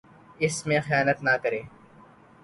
اس میں خیانت نہ کرے